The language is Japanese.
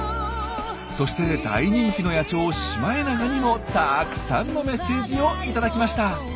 そして大人気の野鳥シマエナガにもたくさんのメッセージを頂きました。